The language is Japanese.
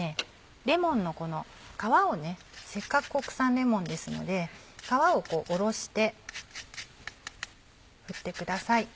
レモンのこの皮をせっかく国産レモンですので皮をおろして振ってください。